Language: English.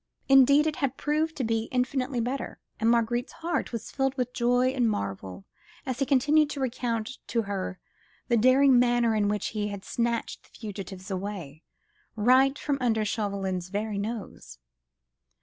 Indeed it had proved to be infinitely better, and Marguerite's heart was filled with joy and marvel, as he continued to recount to her the daring manner in which he had snatched the fugitives away, right from under Chauvelin's very nose.